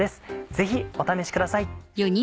ぜひお試しください。